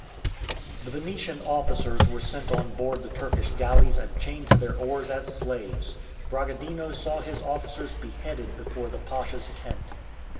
The Venetian soldiers were sent on board the Turkish galleys and chained to their oars as slaves. Bragadino saw his officers beheaded before the Pasha's tent.